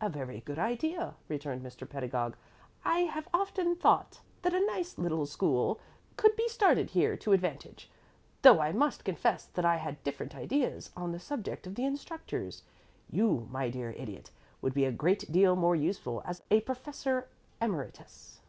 "A very good idea," returned Mr. Pedagog. "I have often thought that a nice little school could be started here to advantage, though I must confess that I had different ideas on the subject of the instructors. You, my dear Idiot, would be a great deal more useful as a Professor Emeritus."